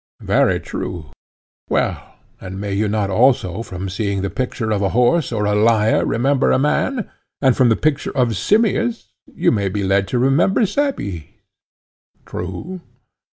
Very true, he said. Well; and may you not also from seeing the picture of a horse or a lyre remember a man? and from the picture of Simmias, you may be led to remember Cebes? True.